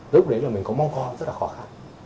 lúc đấy là mình có mong khó rất là khó khăn